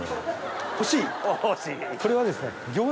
これはですね。